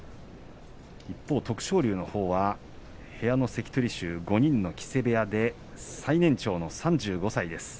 徳勝龍のほうは部屋の関取衆５人の木瀬部屋で最年長３５歳です。